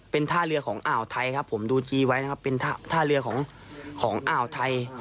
เป็นท่าเรือของอ่าวไทยครับผมดูจีไว้นะครับเป็นท่าเรือของอ่าวไทย